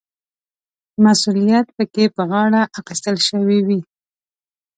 مسوولیت پکې په غاړه اخیستل شوی وي.